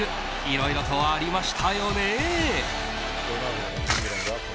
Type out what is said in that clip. いろいろとありましたよね。